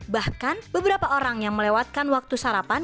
bahkan beberapa orang yang melewatkan waktu sarapan